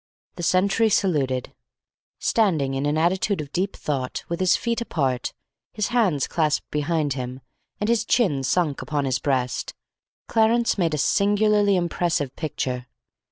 The sentry saluted. Standing in an attitude of deep thought, with his feet apart, his hands clasped behind him, and his chin sunk upon his breast, Clarence made a singularly impressive picture.